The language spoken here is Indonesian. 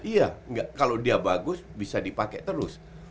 iya kalo dia bagus bisa dipake terus